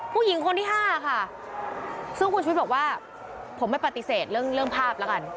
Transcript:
ผู้หญิงคนที่๕ค่ะซึ่งคุณชุวิตบอกว่าผมไม่ปฏิเสธเรื่องภาพแล้วกัน